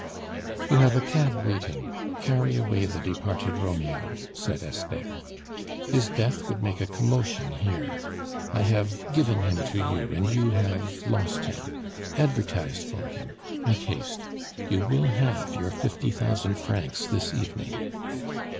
"You have a cab waiting. Carry away the departed Romeo," said Esther. "His death would make a commotion here. I have given him to you, and you have lost him advertise for him. Make haste; you will have your fifty thousand francs this evening."